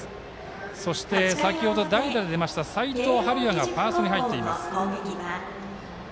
そして、先ほど代打で出ました齋藤敏哉がファーストに入っています。